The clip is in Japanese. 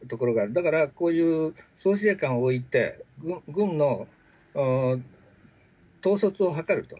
だから、こういう総司令官を置いて、軍の統率を図ると。